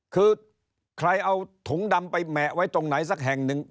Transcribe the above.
คือใครเอาถุงดำไปแหมะไว้ตรงไหนสักแห่งหนึ่ง